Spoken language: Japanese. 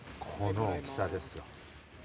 この大きさですよ。